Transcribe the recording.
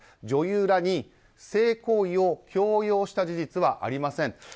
女優らに性行為を強要した事実はありません。